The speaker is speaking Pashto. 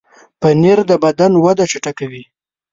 پنېر د بدن وده چټکوي.